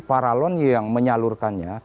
paralon yang menyalurkannya